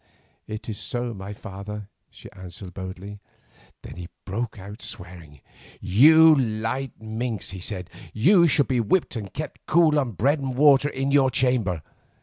"It is so, my father," she answered boldly. Then he broke out swearing. "You light minx," he said, "you shall be whipped and kept cool on bread and water in your chamber.